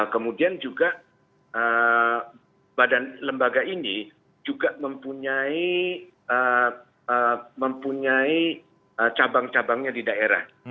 kemudian juga badan lembaga ini juga mempunyai cabang cabangnya di daerah